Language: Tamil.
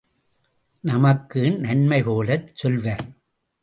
நமக்கு நன்மைபோலச் சொல்வர்!